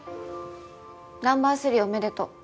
ナンバー３おめでとう。